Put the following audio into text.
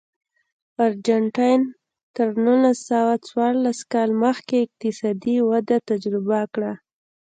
ارجنټاین تر نولس سوه څوارلس کال مخکې اقتصادي وده تجربه کړه.